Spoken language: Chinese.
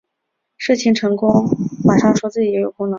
事情成功马上说自己也有功劳